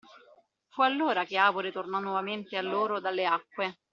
Fu allora che Avore tornò nuovamente a loro dalle acque.